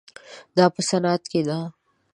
دا په صنعت کې ده.